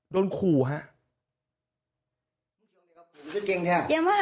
โดนขู่ครับ